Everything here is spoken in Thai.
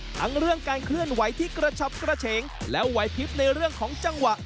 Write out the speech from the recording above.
ทั้งเรื่องการเคลื่อนไหวที่กระชับกระเฉงและไหวพลิบในเรื่องของจังหวะ